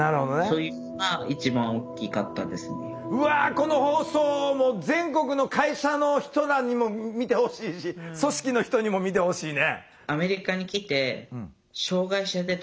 この放送を全国の会社の人らにも見てほしいし組織の人にも見てほしいね。